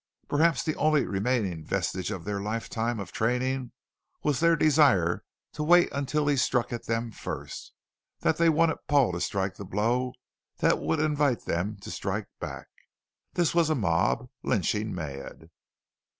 Perhaps the only remaining vestige of their lifetime of training was their desire to wait until he struck at them first, that they wanted Paul to strike the blow that would invite them to strike back. This was a mob, lynching mad.